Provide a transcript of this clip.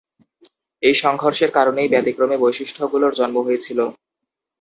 এই সংঘর্ষের কারণেই ব্যতিক্রমী বৈশিষ্ট্যগুলোর জন্ম হয়েছিল।